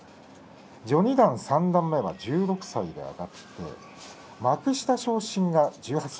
序二段、三段目は１６歳で上がって幕下昇進は１８歳。